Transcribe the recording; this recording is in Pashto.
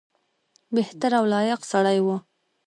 بهتر او لایق سړی وو.